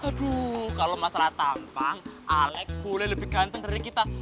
aduh kalau masalah tampang alex boleh lebih ganteng dari kita